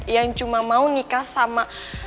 yang cuma mau nikah sama